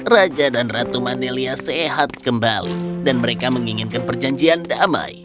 raja dan ratu manelia sehat kembali dan mereka menginginkan perjanjian damai